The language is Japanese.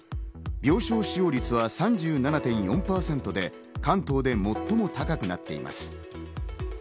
病床使用率は３７．４％で、関東で最も高くなっています。